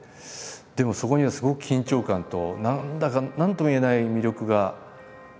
でもそこにはすごく緊張感と何だか何とも言えない魅力が。